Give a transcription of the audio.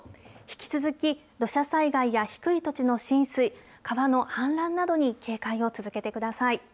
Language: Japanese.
引き続き、土砂災害や低い土地の浸水、川の氾濫などに警戒を続けてください。